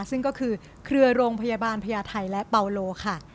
ซึ่งก็คือเครือโรงพยาบาลพญาไทยและเปาโลค่ะ